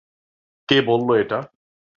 কে বলল এটা?